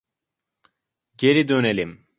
Geri dönelim.